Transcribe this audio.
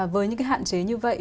với những cái hạn chế như vậy